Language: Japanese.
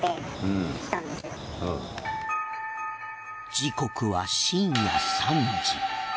時刻は深夜３時。